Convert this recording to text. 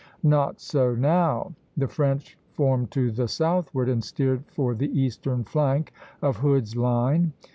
Not so now. The French formed to the southward and steered for the eastern flank of Hood's line.